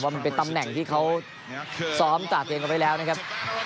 แต่ว่ามันเป็นตำแหน่งที่เค้าซ้อมต่อเตรียมกันไปแล้วนะครับ